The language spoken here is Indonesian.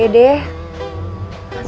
emak teh sayang sama dede